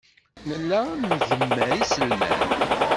Nella ngemmer iselman.